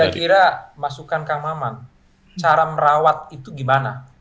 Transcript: saya kira masukan kang maman cara merawat itu gimana